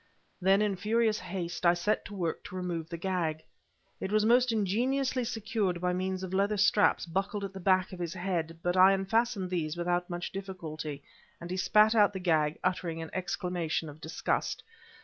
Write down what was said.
Then, in furious haste, I set to work to remove the gag. It was most ingeniously secured by means of leather straps buckled at the back of his head, but I unfastened these without much difficulty, and he spat out the gag, uttering an exclamation of disgust.